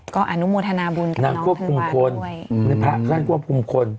ก็อนุโมทนาบุญกับได้พระเพชรกว่าภูมิคน